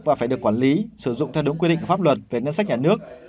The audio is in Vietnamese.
và phải được quản lý sử dụng theo đúng quy định pháp luật về ngân sách nhà nước